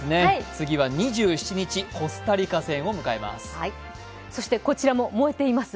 次は２７日、コスタリカ戦を迎えます。